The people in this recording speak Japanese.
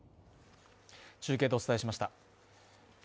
中継でお伝えしました。